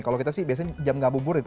kalau kita sih biasanya jam gabu burit